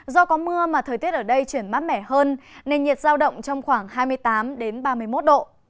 do có mưa mà thời tiết ở đây chuyển mát mẻ hơn nền nhiệt giao động trong khoảng hai mươi tám ba mươi một độ